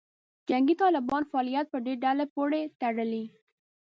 جنګي طالبانو فعالیت په دې ډلې پورې تړلې.